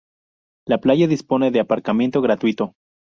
La playa dispone de aparcamiento gratuito.